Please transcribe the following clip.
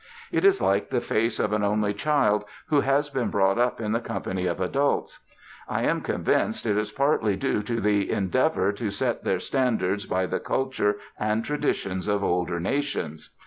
It is like the face of an only child who has been brought up in the company of adults. I am convinced it is partly due to the endeavour to set their standards by the culture and traditions of older nations.